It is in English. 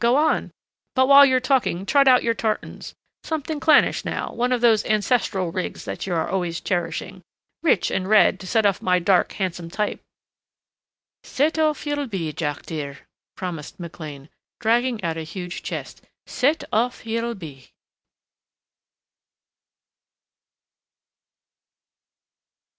Go on.... But while you are talking trot out your tartans. Something clannish now one of those ancestral rigs that you are always cherishing ... Rich and red, to set off my dark, handsome type." "Set off you'll be, Jack dear," promised McLean, dragging out a huge chest. "Set off you'll be."